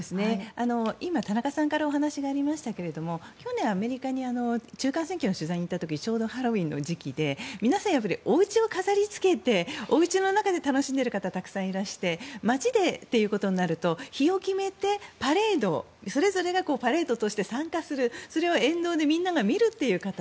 今、田中さんからお話がありましたが去年、アメリカに中間選挙の取材に行った時ちょうどハロウィーンの時期で皆さんおうちを飾りつけておうちの中で楽んでいる方がたくさんいらして街でということになると日を決めてそれぞれがパレードに参加するそれを沿道でみんなが見るという形。